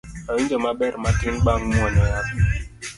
Awinjo maber matin bang' muonyo yath